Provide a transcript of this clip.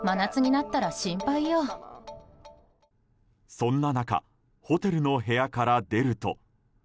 そんな中ホテルの部屋から出ると。